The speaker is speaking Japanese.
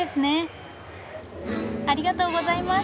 ありがとうございます。